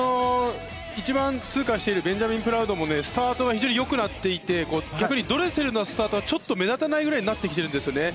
１番通過しているベンジャミン・プラウドもスタートが非常によくなっていて逆にドレセルのスタートがちょっと目立たないくらいになってきているんですよね。